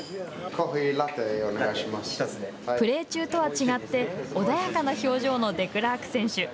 プレー中とは違って穏やかな表情のデクラーク選手。